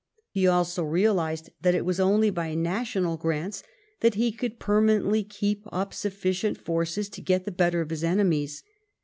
He also realised that it was only by national grants that he could permanently keep up sufficient forces to get the better of his enemies.